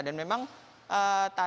dan memang tadi kontrolinya